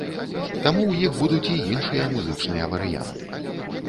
Таму ў іх будуць і іншыя музычныя варыянты.